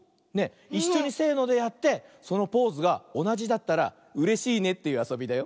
いっしょにせのでやってそのポーズがおなじだったらうれしいねというあそびだよ。